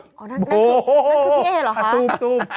โอ้โหนั่นคือพี่เอหรอครับ